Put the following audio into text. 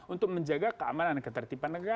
untuk menjaga keamanan dan ketertiban negara